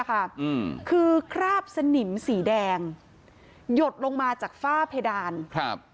อืมคือคราบสนิมสีแดงหยดลงมาจากฝ้าเพดานครับ